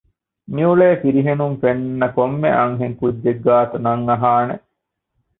މިއުޅޭ ފިރިހެނުން ފެންނަ ކޮންމެ އަންހެން ކުއްޖެއް ގާތު ނަން އަހާނެ